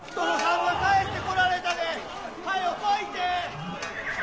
はよ来いて！